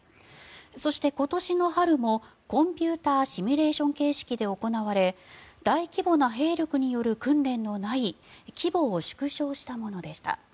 そして、今年の春もコンピューターシミュレーション形式で行われ大規模な兵力による訓練のない規模を縮小したものでした。